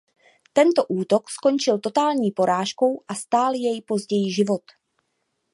Tento útok skončil totální porážkou a stál jej později život.